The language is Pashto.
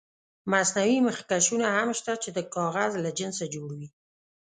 مصنوعي مخکشونه هم شته چې د کاغذ له جنسه جوړ وي.